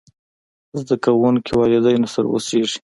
زده کړونکي والدينو سره اوسېږي.